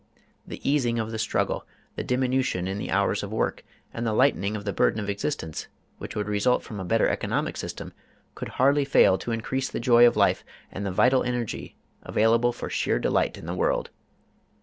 The easing of the struggle, the diminution in the hours of work, and the lightening of the burden of existence, which would result from a better economic system, could hardly fail to increase the joy of life and the vital energy, available for sheer delight in the world.